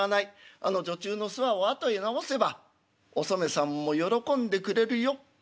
あの女中のすわを後へ直せばおそめさんも喜んでくれるよ」。